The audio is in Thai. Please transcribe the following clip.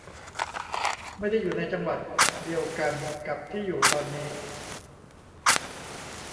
ไม่ได้อยู่ในจังหวัดเดียวกันกับที่อยู่ตอนนี้